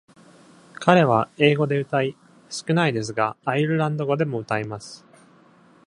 彼は英語で歌い、少ないですがアイルランド語でも歌います。